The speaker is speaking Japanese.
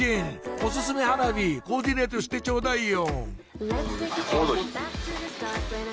オススメ花火コーディネートしてちょうだいよ！